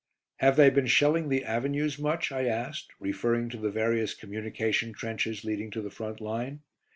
"Have they been shelling the avenues much?" I asked, referring to the various communication trenches leading to the front line.